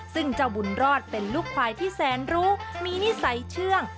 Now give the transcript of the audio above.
ซึ่งเจ้าบุญรอดเป็นลูกควายที่แสนรู้มีนิสัยเชื่อง